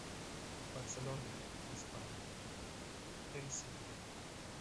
Barcelona, España: Elsevier.